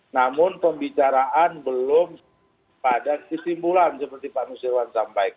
namun pembicaraan belum pada kesimpulan seperti pak nusirwan sampaikan